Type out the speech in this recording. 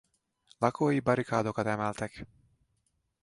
Lakói barikádokat emeltek.